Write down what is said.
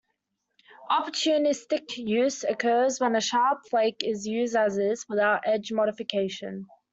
Opportunistic use occurs when a sharp flake is used as-is, without edge-modification.